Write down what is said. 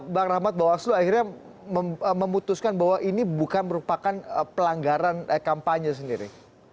bang rahmat bawaslu akhirnya memutuskan bahwa ini bukan merupakan pelanggaran kampanye sendiri